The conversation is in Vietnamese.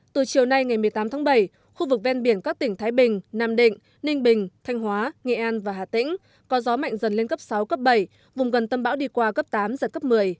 từ chiều nay ngày một mươi tám tháng bảy khu vực ven biển các tỉnh thái bình nam định ninh bình thanh hóa nghệ an và hà tĩnh có gió mạnh dần lên cấp sáu cấp bảy vùng gần tâm bão đi qua cấp tám giật cấp một mươi